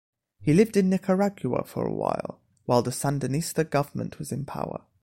He lived in Nicaragua for a while, while the Sandinista government was in power.